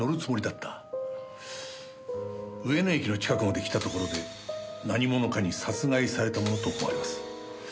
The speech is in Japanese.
上野駅の近くまで来たところで何者かに殺害されたものと思われます。